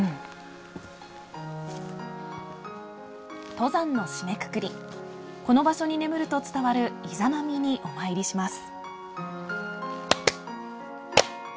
登山の締めくくりこの場所に眠ると伝わるイザナミにお参りします。